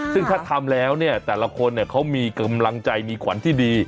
ซึ่งถ้าทำแล้วเนี่ยแต่ละคนเขามีกำลังใจมีขวัญที่ดี